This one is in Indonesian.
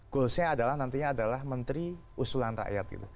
goalsnya adalah nantinya adalah menteri usulan rakyat gitu